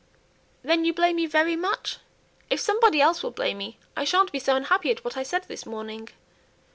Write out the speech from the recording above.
"Then you blame me very much? If somebody else will blame me, I sha'n't be so unhappy at what I said this morning."